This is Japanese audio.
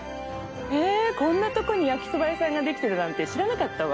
へえこんなとこに焼きそば屋さんができてるなんて知らなかったわ。